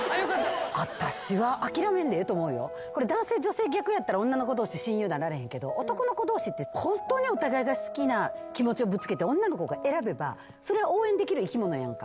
これ男性女性逆やったら女の子同士親友なられへんけど男の子同士ってホントにお互いが好きな気持ちをぶつけて女の子が選べばそれ応援できる生き物やんか。